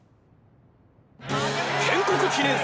建国記念祭